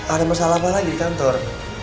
ada masalah apa lagi di kantor